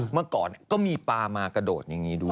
เมื่อก่อนก็มีปลามากระโดดอย่างนี้ด้วย